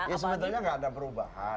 ya sebetulnya nggak ada perubahan